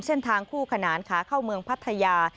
เส้นทางคู่ขนานขาเข้าเมืองพัทยา